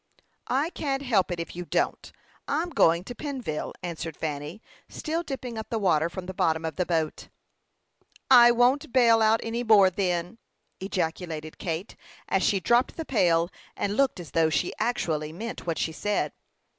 "I can't help it if you don't. I'm going down to Pennville," answered Fanny, still dipping up the water from the bottom of the boat. "I won't bale out any more then," ejaculated Kate, as she dropped the pail, and looked as though she actually meant what she said.